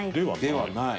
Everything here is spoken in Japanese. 「ではない」。